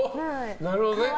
なるほどね。